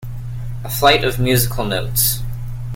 A flight of musical notes.